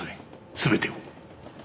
全てを。